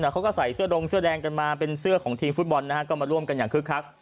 เขาก็ใส่เสื้อดงเสื้อแดงกันมาเป็นเสื้อของทีมฟุตบอลนะฮะก็มาร่วมกันอย่างคึกคัก